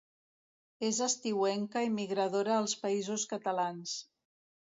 És estiuenca i migradora als Països Catalans.